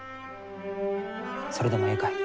それでもえいかえ？